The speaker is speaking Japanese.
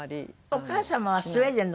お母様はスウェーデンの方？